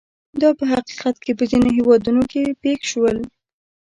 دا په حقیقت کې په ځینو هېوادونو کې پېښ شول.